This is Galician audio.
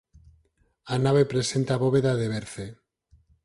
A nave presenta bóveda de berce.